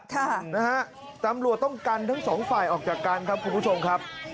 ค่ะนะฮะตำรวจต้องกันทั้งสองฝ่ายออกจากกันครับคุณผู้ชมครับ